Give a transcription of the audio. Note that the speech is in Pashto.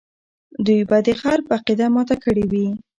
دوی به د غرب عقیده ماته کړې وي.